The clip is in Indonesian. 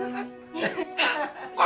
terima kasih om